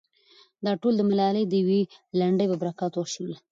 دا ټول د ملالې د يوې لنډۍ په برکت وشول.